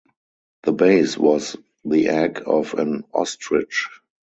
The base was the egg of an ostrich.